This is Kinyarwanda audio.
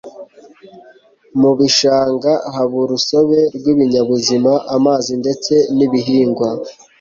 mu bishanga haba urusobe rw'ibinyabuzima, amazi ndetse n'ibihingwa